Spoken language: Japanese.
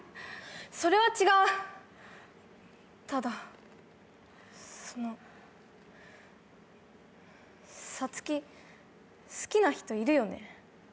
それは違うただそのサツキ好きな人いるよね？